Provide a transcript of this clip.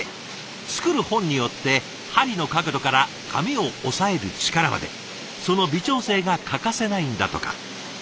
作る本によって針の角度から紙を押さえる力までその微調整が欠かせないんだとか。